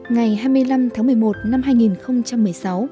ngày hai mươi năm tháng một mươi một năm hai nghìn một mươi sáu